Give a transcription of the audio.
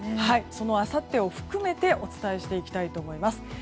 そのあさってを含めてお伝えしていきたいと思います。